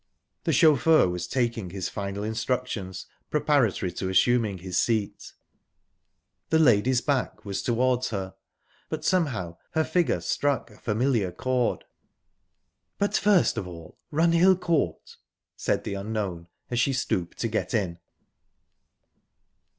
The chauffeur was taking his final instructions, preparatory to assuming his seat. The lady's back was towards her, but somehow her figure struck a familiar chord. "...But first of all, Runhill Court," said the unknown, as she stooped to get in.